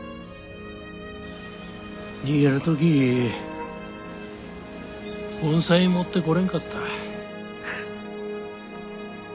逃げる時盆栽持ってこれんかった。